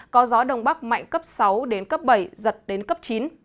có gió đông bắc mạnh cấp sáu đến cấp bảy giật đến cấp chín